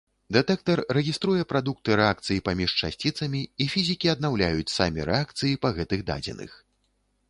Дэтэктар рэгіструе прадукты рэакцый паміж часціцамі, і фізікі аднаўляюць самі рэакцыі па гэтых дадзеных.